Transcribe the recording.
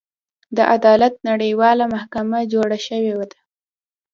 د عدالت نړیواله محکمه جوړه شوې ده.